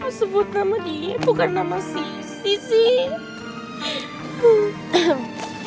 lo sebut nama dia bukan nama sisi sih